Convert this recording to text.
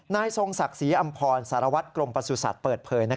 ทรงศักดิ์ศรีอำพรสารวัตรกรมประสุทธิ์เปิดเผย